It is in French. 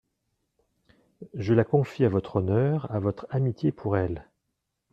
Je la confie à votre honneur, à votre amitié pour elle.